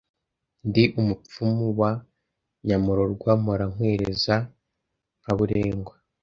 Ndi umupfumu wa Nyamurorwa Mpora nkwereza nkaburengwa